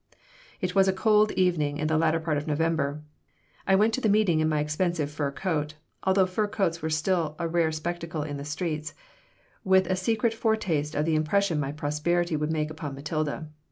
It was a cold evening in the latter part of November. I went to the meeting in my expensive fur coat (although fur coats were still a rare spectacle in the streets), with a secret foretaste of the impression my prosperity would make upon Matilda.